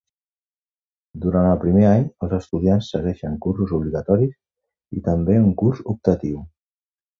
Durant el primer any, els estudiants segueixen cursos obligatoris i també un curs optatiu.